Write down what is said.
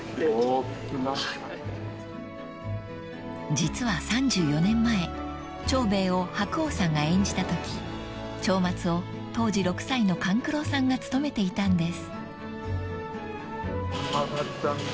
［実は３４年前長兵衛を白鸚さんが演じたとき長松を当時６歳の勘九郎さんが務めていたんです］